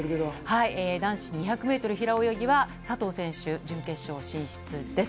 男子２００メートル平泳ぎは佐藤選手、準決勝進出です。